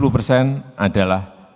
tujuh puluh persen adalah